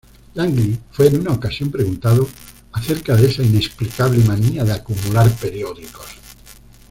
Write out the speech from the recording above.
Langley fue en una ocasión preguntado acerca de esa inexplicable manía de acumular periódicos.